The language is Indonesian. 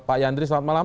pak yandri selamat malam